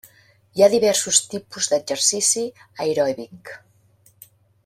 Hi ha diversos tipus d'exercici aeròbic.